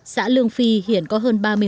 xã lương phi hiện có hơn ba mươi người